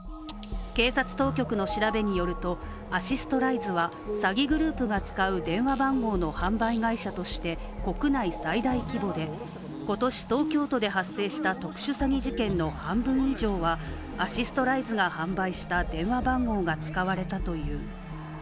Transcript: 警察当局の調べによるとアシストライズは、詐欺グループが使う電話番号の販売会社として国内最大規模で今年、東京都で発生した特殊詐欺事件の半分以上はアシストライズが販売した電話番号が使われたという。